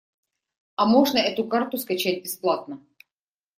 А можно эту карту скачать бесплатно?